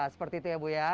seperti itu ya bu ya